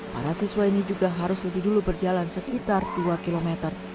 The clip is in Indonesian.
para siswa ini juga harus lebih dulu berjalan sekitar dua km